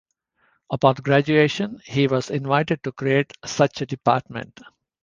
Upon graduation, he was invited to create such a department.